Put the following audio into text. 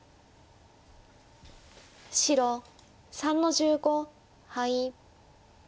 白３の十五ハイ。